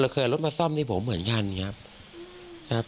เคยเอารถมาซ่อมที่ผมเหมือนกันครับ